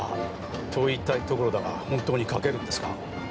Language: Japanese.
と言いたいところだが本当に書けるんですか？